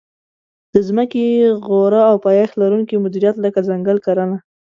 د ځمکې غوره او پایښت لرونکې مدیریت لکه ځنګل کرنه.